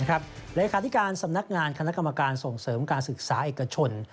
เลขาธิการสำนักงานคณะกรรมการส่งเสริมการศึกษาเอกชน